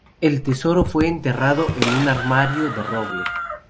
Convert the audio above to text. El tesoro fue enterrado en un armario de roble.